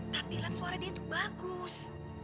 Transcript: tapi lan suara dia tuh bagus